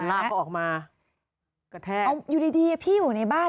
ลากเขาออกมากระแทกเอาอยู่ดีดีอ่ะพี่อยู่ในบ้าน